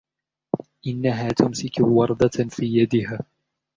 إنها تمسك وردة في يدها.